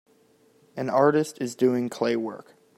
An artist is doing clay work.